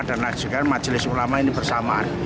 dan juga majelis ulama ini bersamaan